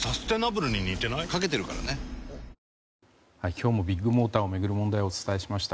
今日もビッグモーターを巡る問題をお伝えしました。